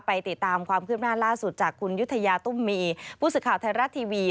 ติดตามความคืบหน้าล่าสุดจากคุณยุธยาตุ้มมีผู้สื่อข่าวไทยรัฐทีวี